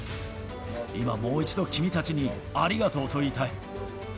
今もう一度君たちにありがとうと言いたい。